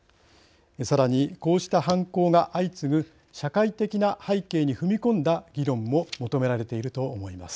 さらにこうした犯行が相次ぐ社会的な背景に踏み込んだ議論も求められていると思います。